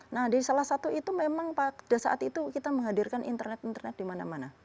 nah di salah satu itu memang pada saat itu kita menghadirkan internet internet di mana mana